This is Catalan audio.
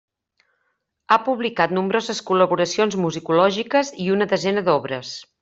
Ha publicat nombroses col·laboracions musicològiques i una desena d'obres.